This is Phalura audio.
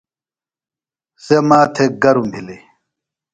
سےۡ ماتھےۡ گرم بِھلیۡ۔